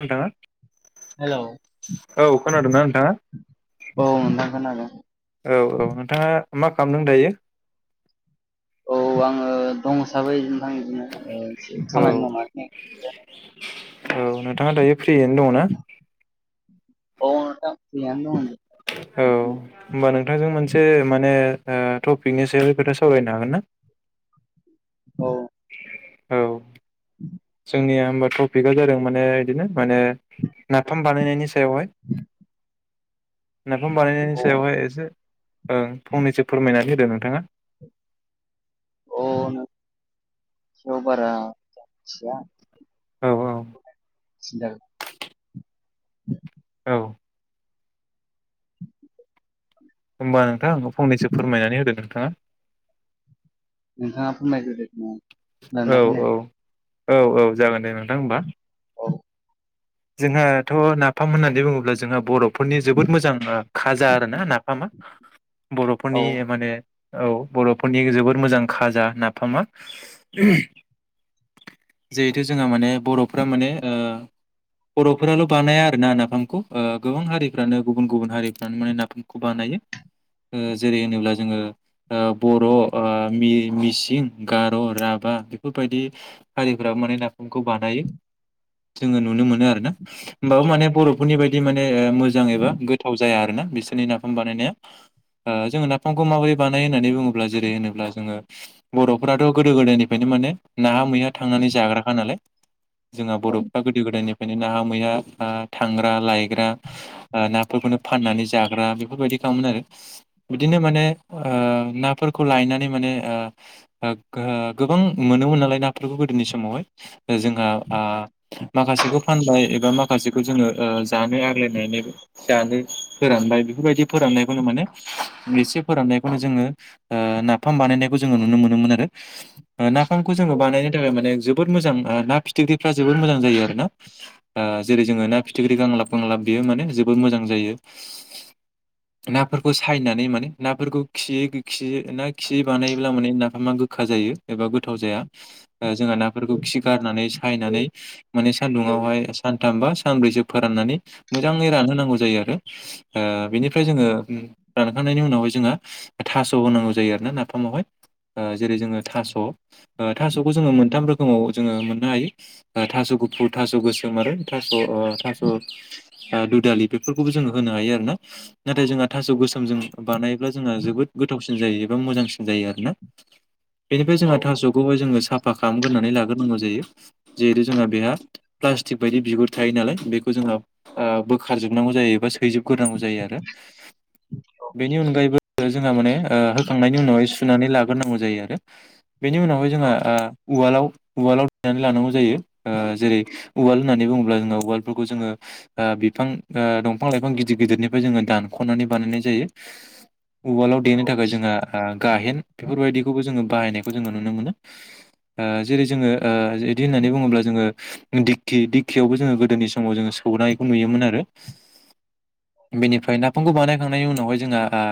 नोंथांआ। हेलौ खोनादोंना नोंथाङा औ नोंथां खोनादों। औ औ नोंथाङा मा खालामदों दायो? औ आङो दं हिसाबै नोंथां ओ से औ खामानि मावनानै। औ नोंथाङा दायो फ्रियैनो दङ ना? ओ नोंथां थिगानो दङ। औ होमबा नोंथांजों मोनसे माने ओ टपिकनि सायाव खोथा सावरायनो हागोन ना। औ औ जोंनिया होमबा ट पिकआ जादों माने बिदिनो माने नाफाम बानायनायनि सायावहाय नाफाम बानायनायनि औ सायावहाय एसे ओ फंनैसो फोरमायनानै होदो नोंथाङा। औ नों बारा मिथिया औ औ [unintelligible] औ [inaudible] होमबा नोंथां आ फंनैसो फोरमायनानै होदो नोंथाङा नोंथाङा फोरमायग्रोदो [unintelligible] औ खोनादोंना औ खोनायाखै औ औ जागोन दे नोंथां होमबा औ जोंहाथ' नाफाम होननानै बुङोब्ला जोंहा बर'फोरनि जोबोद ओ मोजां खाजा आरो ना नाफामा औ बर'फोरनि माने औ बर'फोरनि जोबोर मोजां खाजा नाफामा जिहेथु जोंहा माने बर'फ्रा माने ओ बर'फोराल' बानाया आरोना नाफामखौ ओ गोबां हारिफ्रानो गुबुन गुबुन हारिफ्रानो माने नाफामखौ बानायो। ओ जेरै होनोब्ला जोङो आ बर' आ मिर-मिसिं गार' राभा बेफोरबायदि हारिफोराबो माने नाफामखौ बानायो जोङो नुनो मोन नो आरोना होनबाबो बर'फोरनि बादि माने मोजां एबा गोथाव जाया आरोना बिसोरनि नाफाम बानायनाया जोङो नाफामखौ माबोरै बानाय होननानै बुङोब्ला जेरै होनोब्ला जोङो बर'फोराथ' गोदो गोदायनिफ्रायनो माने नाहा मैया थांनानै जाग्राखा नालाय जोंहा बर'फ्रा गोदो गोदायनिफ्राय नो नाहा मैहा आ थांग्रा लायग्रा ओ नाफोरखौनो फाननानै जाग्रा बेफोरबायदि खामोन आरो बिदिनो माने ओ नाफोरखौ लायनानै माने ओ गो ओ गोबां मोनोमोन नालाय नाफोरखौ गोदोनि समावहाय जोंहा आ माखासेखौ फानबाय एबा माखासेखौ जोङो जानो आग्लायनानै जानो फोरानबाय बेफोरबायदि फोराननायखौनो माने एसे फोराननायखौनो जोङो आ नाफाम बानायनायखौ जोङो नुनो मोनोमोन आरो नाफामखौ जोङो बानायनो थाखाय माने जोबोद मोजां ना फिथिख्रिफ्रा जोबोद मोजां जायो आरोना जेरै जोङो ना फिथिख्रि गांलाब गांलाब बेयो माने जोबोद मोजां जायो। [inaudible] नाफोरखौ सायनानै माने नाफोरखौ खियै खियै ना खियै बानायोब्ला माने नाफामा गोखा जायो। एबा गोथाव जाया जोंहा नाफोरखौ खि गारनानै सायनानै माने औ सान्दुंङावहाय सानथाम बा सानब्रैसो फोराननानै मोजाङै रानहोनांगौ जायो आरो आ बिनिफ्राय जोङो रानखांनायनि उनावहाय जोंहा थास' होनांगौ जायो आरोना नाफामावहाय जेरै जोङो थास' थास'खौ जोङो मोनथाम रोखोमाव जोङो मोननो हायो थास' गुफुर थास' गोसोम आरो थास' थास' दुदालि बेफोरखौबो जोङो होनो हायो आरो ना नाथाय जोंहा थास' गोसोमजों बानायोब्ला जोंहा जोबोद गोथावसिन जायो एबा मोजांसिन जायो आरोना [inaudible] बेनिफ्राय औ जोंहा थास'खौहाय जोङो साफा खालामगोरनानै लाग्रोनांगौ जायो जिहेतु जोंहा बेहा प्लास्टिक बायदि बिगुर थायो नालाय बेखौ जोंनाव बोखारजोबनांगौ जायो एबा सैजोबग्रोनांगौ जायो आरो। बेनि अनगायैबो जोंहा माने होखांनायनि उनावहाय सुनानै लाग्रोनांगौ जायो आरो। बेनि उनावहाय जोंहा औ उवालाव उवालाव देनानै लानांगौ जायो जेरै उवाल होननानै बुङोब्ला जोङो उवालफोरखौ जोङो बिफां दंफां लाइफां गिदिर गिदिरनिफ्राय जोङो दानख'नानै बानायनाय जायो। उवालाव देनो थाखाय जोंहा गाहेन बेफोरबायदिखौबो जोङो बाहायनाय खौ जोङो नुनो मोनो जेरै जोङो बिदि होननानै बुङोब्ला जोङो दि दिखि दिखियावबो जोङो गोदोनि समाव जोङो सौनायखौ नुयोमोन आरो बेनिफ्राय ना। फामखौ बानायखांनायनि उनावहाय जोंहा ओ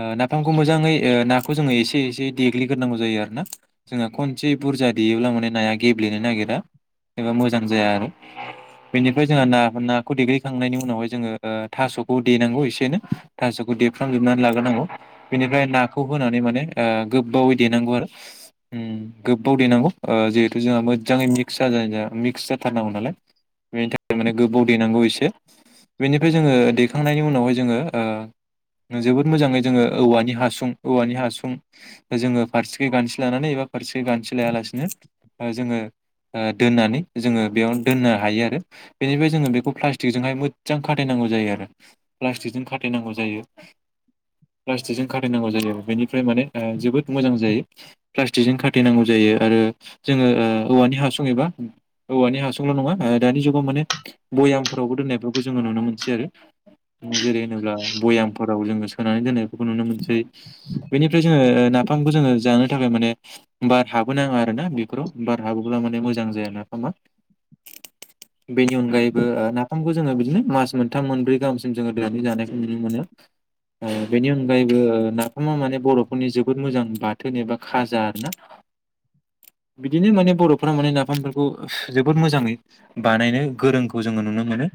ओ नाफामखौ मोजाङै नाखौ जोङो एसे एसे देग्लिग्रोनांगौ जायो आरो ना। जोंहा खनसे बुरजा देयोब्ला माने नाया गेब्लेनो नागिरा एबा मोजां मोजां जाया आरो बेनिफ्राय जोंहा ना नाखौ देग्लिखांनायनि उनावहाय जोङो। थास'खौ देनांगौ एसेनो थास'खौ देफ्रामजोबनानै लाग्रोनांगौ। बेनिफ्राय नाखौ होनानै माने ओ गोबावै देनांगौ आरो। उम गोबाव देनांगौ जिहेथु जोंहा मोजाङै मिक्स जाजानाय ज एस जाथारनांगौ नालाय बेनि थाखाय माने गोबाव देनांगौ एसे बेनिफ्राय जोङो दैखांनायनि उनावहाय जोङो ओ जों जोबोद मोजाङै जोङो औवानि हासुं औवानि हासुं जोङो फारसेखै गानस्रि लानानै एबा फारसेख गानस लायालासिनो जोङो। दोननानै जोङो बेयाव दोननो हायो आरो। बेनिफ्राय जोङो बेखौ प्लास्टिकजोंहाय मोजां खाथायनांगौ जायो आरो। प्लास्टिकजों खाथेनांगौ जायो। प्लास्टिकजों खाथैनांगौ जायो बेनिफ्राय माने जोबोद मोजां जायो। प्लास्टिकजों खाथेनांगौ जायो आरो जोङो ओ औवानि हासुं एबा। औवानि हासुङावल' नङा दानि जुगाव माने भयामफोरावबो दोननायफोरखौ जोङो नुनो मोनसै आरो। जेरै होनोब्ला भयामफोराव जोङो सोनानै दोननायफोरखौ नुनो मोनसै। बेनिफ्राय जोङो नाफामखौ जोङो जानो थाखाय माने। बार हाबहोनाङा आरोना बेफोराव बार हाबोब्ला माने मोजां जायाा नाफामा [unintelligible] बेनि अनगायैबो ओ नाफामखौ जोङो बिदिनो मास मोनथाम मोनब्रै गाहामसिम जोङो दोननानै जानायखौ नुनो मोनो। बेनि अनगायैबो नाफामा माने बर'फोरनि जोबोद मोजां बाथोन एबा खाजा आरो ना। बिदिनो माने बर'फ माने नाफामफोर खौ जोबोद मोजाङै बानायनो गोरोंखौ जोङो नुनो मोनो।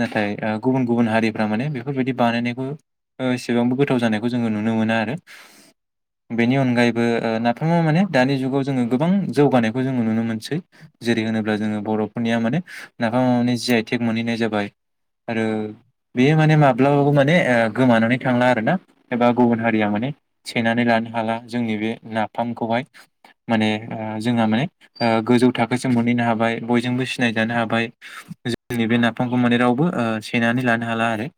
नाथाय ओ गुबुन गुबुन हारिफ्रा माने बेफोर बायदि बानायनायखौ ओ एसेबांबो गोथाव जानायखौ जोङो नुनो मोना आरो। बेनि अनगायैबो ओ नाफामा माने दानि जुगाव जोङो गोबां जौगानायखौ जोङो नुनो मोनसै। जेरै होनोब्ला जोङो बर'फोरनिया माने नाफामा माने जि आइ थेक मोनहैनाय जाबाय आरो बेयो माने माब्लाबाबो माने ओ गोमानानै थांला आर ना एबा गुबुन हारिया माने। सेनानै लानो हाला जोंनि बे नाफामखौहाय माने ओ जोंहा माने ओ गोजौ थाखोसिम मोनहैनो हाबाय बयजोंबो सिनायजानो हाबाय जोंनि बे नाफामखौ माने रावबो ओ सेनानै लानो हाला आरो।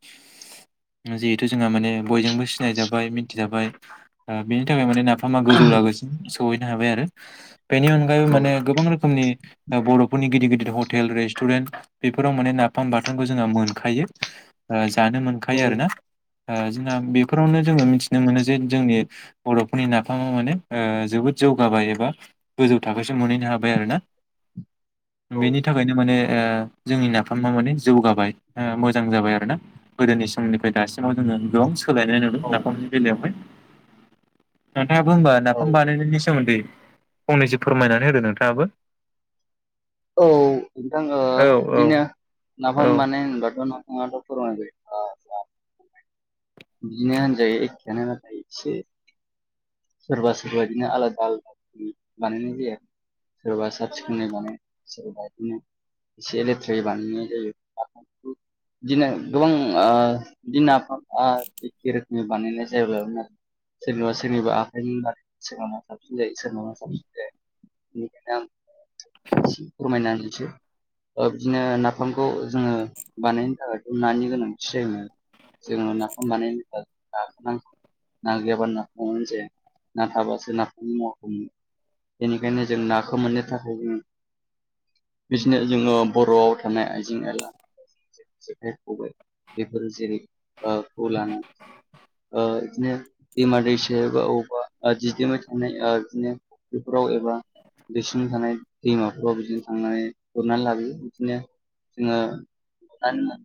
जिहेथु जोंहा माने बयजोंबो सिनायजाबाय मिथिजाबाय। आ बेनि थाखाय माने नाफामा गोजौ लागोसिम सहैनो हाबाय आरो बेनि अनगायैबो औ माने गोबां रोखोम समनि बर'फोरनि गिदिर गिदिर हटेल रेस्टुरेन्ट बेफोराव माने नाफाम बाथोनखौ जोंहा मोनखायो ओ जानो मोनखायो आरोना। औ जोंना बेफोरावनो जोङो मिथिनो मोनो जे जोंनि बर'फोरनि नाफामा माने जोबोद जौगाबाय एबा गोजौ थाखोसो मोनहैनो हाब बाय आरो ना बेनि थाखायनो माने जोंनि नाफामा माने जौगाबाय ओ मोजां जाबाय आरो ना गोदोनि समनिफ्राय दासिमाव जोङो गोबां सोलायनाय नुदों औ नाफामनि बेलायावहाय नोंथाङाबो होनबा औ नाफाम बानायनायनि सोमोन्दै फंनैसो फोरमायनानै होदो नोंथां। दाबो औ नोंथां ओ बिदिनो नाफाम औ बानाय होनबाथ'' ना [unintelligible] बिदिनो होनजायो एखेयानो एसे सोरबा सोरबा बिदिनो आलादा आलादा रोखोमनि बानायनाय जाया सोरबा साब सिखोनै माने सोरबा बिदिनो एसे लेथ्रायै बानायनाय जायो। दिनो गोबां इदि नाफाम आ एखे रोखोमनि बानायनाय जायोब्लाबो आरो सोरनिबा सोरनिबा सोरनाबा साबसिन जायो सोरनाबा साबसिन जाया बेनिखायनो आं [unintelligible] बिदिनो नाफामखौ जोङो बानायनो थाखायथ' नानि गोनांथि जायोमोन। जों नाखौ बानायनो होनबा ना गैयाबानो नाखौ जाया। ना थाबासो नाखौनि मुवाखौ मोनो बेनिखायनो जों नाखौ मोननो थाखाय जोङो बिसनो जोङो बर'आव थानाय आइजें आइला जेखाइ खबाय बेफोरो जेरै बेखौ लानानै इदिनो दैमा दैसायाव एबा अबबा दिदोमै थानाय ओ बिदिनो बेफोराव एबा दैसिं थानाय दैमाफोराव बिदिनो थांनानै गुरनानै लाबोयो बिदिनो जोङो ना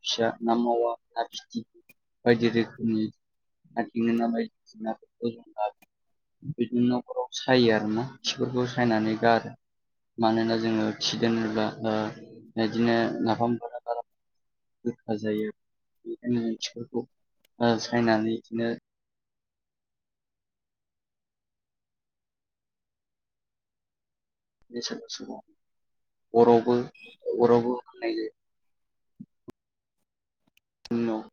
फिसा ना मावा ना फिथि बायदि रोखोमनि [unintelligible] बिदिनो न'खराव सायो आरो ना बिफोरखौ सायनानै गारो। मानोना जोङो खि [unintelligible] बिदिनो नाफामफोरा बारा रोखा जायो बेफोरखौ सायनानै इदिनो बे सोरबा समाव अरावबो अरावबो होननाय जायो। नख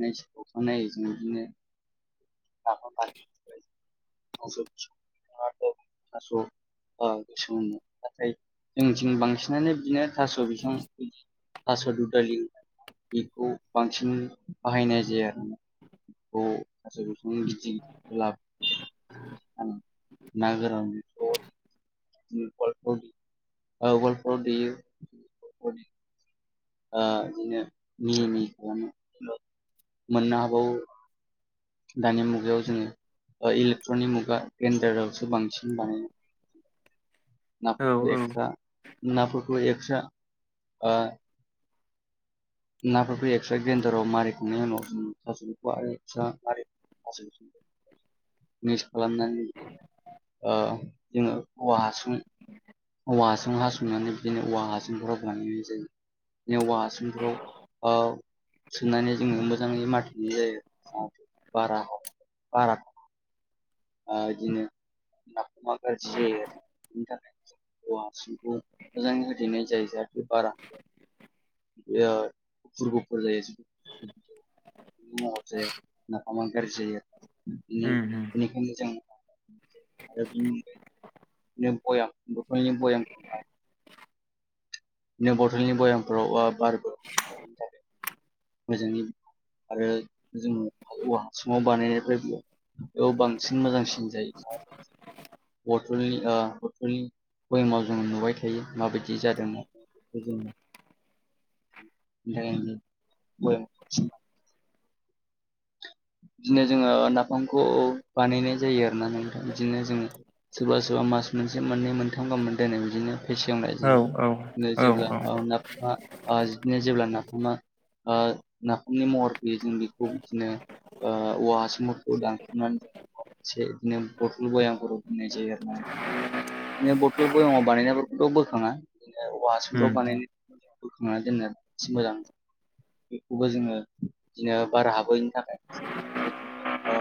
नाखानायै जों बिदिनो [unintelligible] [unintelligible] गोसो मोनो नाथाय जोंथिं बांसिनानो बिनो थास' बिफां थास' दुदालि बेखौ बांसिन बाहायनाय जायो आरोना थास' बिफांनि [unintelligible] ना गोरां [unintelligible] उवालफोराव ओ उवालफोराव देयो बिदिनो [unintelligible] मोननो हाबावो दानि मुगायाव जोङो इलेक्ट्रनिक मुगा गेडारावसो बांसिन बानाय औ नाफोरखौ औ एक्स्रा नाफोरखौ एक्सट्रा ओ नाफोरखौ एक्सट्रा ग्रेन्दाराव मारिखांनायनि उनाव जों थास'खौ आरो एक्सट्रा मारि [unintelligible] मिक्स खालामनानै ओ जोङो औवा हासुं औवा हासुं हासनानै बिदिनो औवा हासुंफोराव बानायनाय जायो। औवाहासुंफ्राव सोननानै जोङो मोजाङै मारिथेनाय जायो बारा हाब बारा ओ बिदिनो नाफामा गाज्रि जायो बेनि थाखाय औवा हासुंखौ मोजाङै होथेनाय जायो जाहाथे बारा बे [unintelligible] [unintelligible] नाफामा गाज्रि जायो आरोना बिदिनो उम उम [unintelligible] आरो अनगायै बिदिनो बयाम बथलनि बयाम नों बथलनि बयामफ्राव ओ बारबो मोजाङै आरो जोङो औवा हासुङाव बानायनाय [unintelligible] औ बांसिन मोजांसिन जायो। बथलनि बथलनि भयामाव जोङो नुबाय थायो माबायदि जादों [unintelligible] बिदिनो जोङो नाफामखौ बानायनाय जायो आरोना नोंथां बिदिनो जोङो सोरबा सोरबा मास मोनसे मोननै मोनथाम गाहाम दोनो बिदिनो। फेसेवनाय औ जायो औ बिदिनो औ जेब्ला औ ओ नाफामा ओ बिदिनो जेब्ला नाफामा ओ नाफामनि महर फैयो जों बेखौ बिदिनो ओ औवा हासुंफोरखौ दानसनान जों इदिनो बथल बयामफोराव दोननाय जायो आरोना‌ नोंथां। बिदिनो बथल बयामाव बानायनायफोरखौथ' बोखाङा बिदिनो उम औवाहासुंफ्राव बानायनाय बोखांनानै दोनो एसे मोजां। बेखौबो जोङो बिदिनो बार हाबोयैनि थाखाय बिदिनो ओ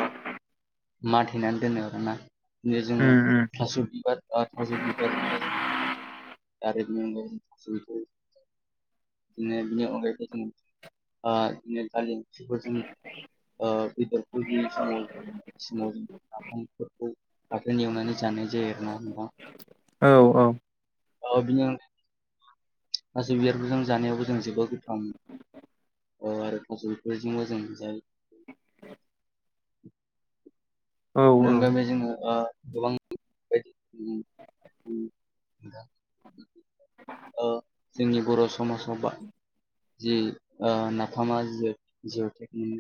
माथेनानै दोनो आरोना। बे जोङो उम उम थास' बिबार ओ थास' बिबार थारैनो नोंगौ गासैबो। बिदिनो बिनि अनगायैबो जों ओ बिदिनो दालि ओंख्रिफोरजों ओ बेदरफोर गैयै समाव समाव नाफामफोरखौ बाथोन एवनानै जानाय जायो आरोना होमबा। औ औ औ बिनि अनगायैबो गासै बिबारफोरजों जानायावबो जों जोबोर गोथाव मोनो। ओ आरो थास' बिथ'रायजोंबो जों जायो। [inaudible] औ [unintelligible] ओ जोंनि बर' समाजाव बा जि ओ नाफामा जि जिअ टेकलि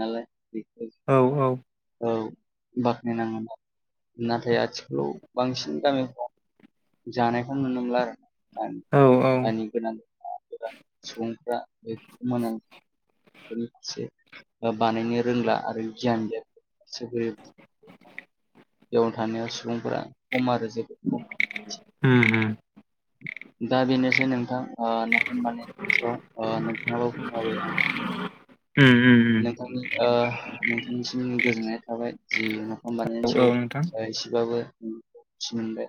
नालाय बेखौ औ औ। औ बाख्नायनाङोमोन नाथाय आथिखालाव बांसिन गामिफ्राव जानायखौनो नुनो मोनला आरोना। औ उम जानि गोनां [unintelligible] सुबुंफोरा बे [unintelligible] बेफोरनि फारसे बानायनो रोंला आरो गियान गैया। [unintelligible] सुबुंफोरा खम आरो जोबोद खम। उम दा बेनोसै नोंथां ओ नानि सायाव ओ नोंथाङाबो फोरमायबाय आं ओम ओम। नोंथांनि ओ नोंथांनिसिम गोजोननाय थाबाय जि नाफाम बानायनायनि औ सायाव औ नोंथां एसेबाबो मिथि मोनबाय।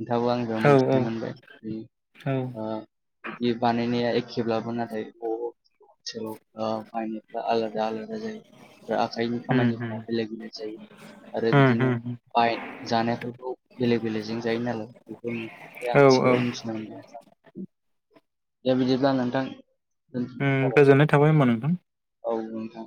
नोंथाङाबो आंनिफ्राय औ मोनथिनो मोनबाय बि औ ओ बिदि बानायनाया एखेब्लाबो नाथाय बब [unintelligible] आलादा आलादा जायो आखाइनि उम उम खामानिफ्रा बेले बेलेग जायो आरो उम बिदिनो उम बाइक जानायफोरखौ बेलेग बेलेगजों जायो नालाय औ औ बेखौ [unintelligible] [inaudible] दा बिदिब्ला नोंथां जाबाय गोजोननाय थाबाय होमबा नोंथां। औ नोंथां